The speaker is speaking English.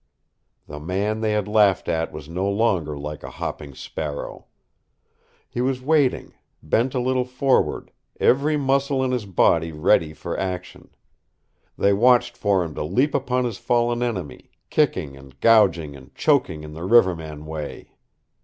The man they had laughed at was no longer like a hopping sparrow. He was waiting, bent a little forward, every muscle in his body ready for action. They watched for him to leap upon his fallen enemy, kicking and gouging and choking in the riverman way.